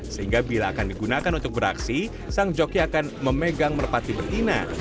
sehingga bila akan digunakan untuk beraksi sang joki akan memegang merpati betina